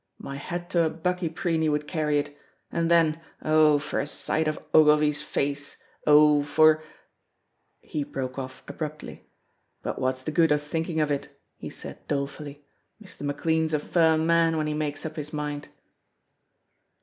My head to a buckie preen he would carry it, and then, oh, for a sight of Ogilvy's face, oh, for " He broke off abruptly. "But what's the good of thinking of it?" he said, dolefully, "Mr. McLean's a firm man when he makes up his mind."